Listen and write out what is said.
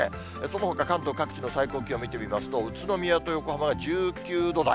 そのほか関東各地の最高気温、見てみますと、宇都宮と横浜は１９度台。